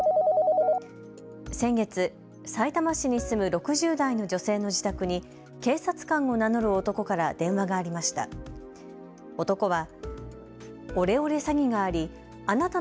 先月、さいたま市に住む６０代の女性の自宅に警察官を名乗る男から電話がありました。